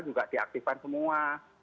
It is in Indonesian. juga diaktifkan semua